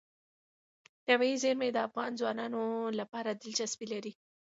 طبیعي زیرمې د افغان ځوانانو لپاره دلچسپي لري.